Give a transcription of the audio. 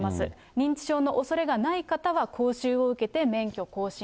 認知症のおそれがない方は講習を受けて免許更新。